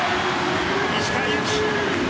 石川祐希。